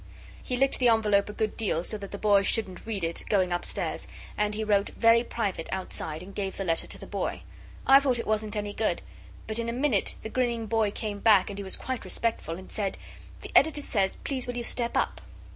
He licked the envelope a good deal, so that that boy shouldn't read it going upstairs; and he wrote 'Very private' outside, and gave the letter to the boy. I thought it wasn't any good; but in a minute the grinning boy came back, and he was quite respectful, and said 'The Editor says, please will you step up?